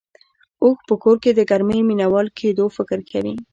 اوښ په کور کې د ګرمۍ مينه وال کېدو فکر کوي.